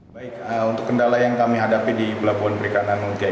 baik untuk kendala yang kami hadapi di pelabuhan perikanan kiai